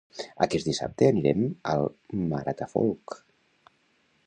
Aquest dissabte anirem al Maratafolk